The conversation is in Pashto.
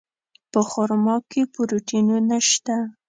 په خرما کې پروټینونه شته.